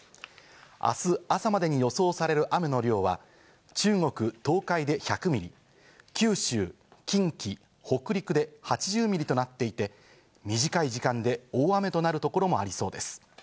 明日朝までに予想される雨の量は中国、東海で１００ミリ、九州、近畿、北陸で８０ミリとなっていて、短い時間で大雨となるところもありそうです。